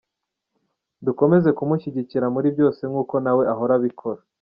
Dukomeze kumushyigikira muri byose nk’uko nawe ahora abikora.